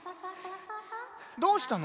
どうしたの？